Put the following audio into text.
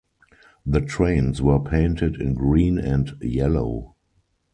The trains were painted in green and yellow.